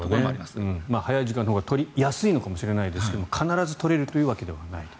早い時間のほうが取りやすいのかもしれないですが必ず取れるというわけではないと。